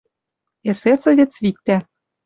эсесовец виктӓ